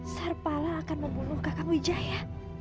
sarpala akan membunuh kakak wijaya